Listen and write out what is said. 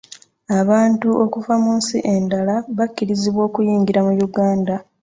Abantu okuva mu nsi endala bakkirizibwa okuyingira mu Uganda.